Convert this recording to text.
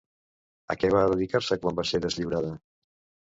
A què va dedicar-se quan va ser deslliurada?